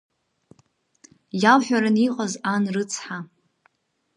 Иалҳәаран иҟаз ан рыцҳа?!